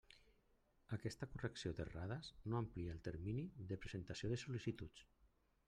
Aquesta correcció d'errades no amplia el termini de presentació de sol·licituds.